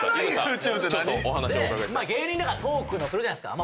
芸人だからトークするじゃないですか。